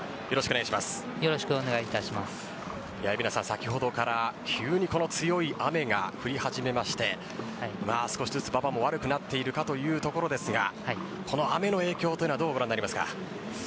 先ほどから急に強い雨が降り始めまして少しずつ馬場も悪くなっているかというところですがこの雨の影響というのはどうご覧になりますか？